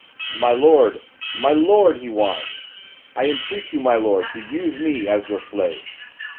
'My lord! my lord!' he whined. 'I entreat you, my lord, to use me as your slave!